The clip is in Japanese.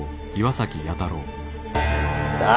さあ。